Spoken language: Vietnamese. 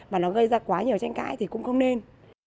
và nó gây ra quá nhiều tranh cãi thì cũng không nên